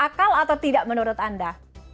akal atau tidak menurut anda